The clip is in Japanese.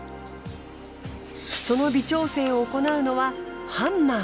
その微調整を行うのはハンマー。